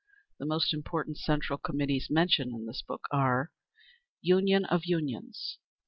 The most important Central Committees mentioned in this book are: _Union of Unions.